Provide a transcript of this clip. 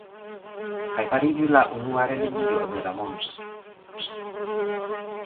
Kaj fariĝi la unua religio de la mondo.